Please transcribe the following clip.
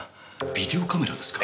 ビデオカメラですか？